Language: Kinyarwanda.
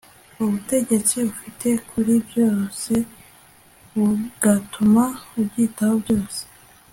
ubutegetsi ufite kuri byose bugatuma ubyitaho byose